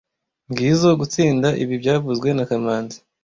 Ngizoe gutsinda ibi byavuzwe na kamanzi